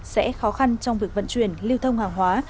sẽ khó khăn trong việc vận chuyển lưu thông hàng hóa